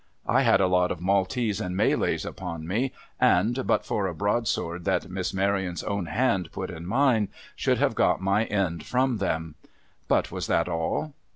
I had a lot of Maltese and Malays upon me, and, but for a broadsword that Miss Maryon's own hand put in mine, should have got my end from them. But, was that all